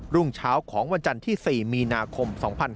รุ่งเช้าของวันจันทร์ที่๔มีนาคม๒๕๕๙